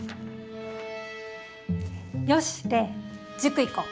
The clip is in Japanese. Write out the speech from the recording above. よしレイ塾行こう！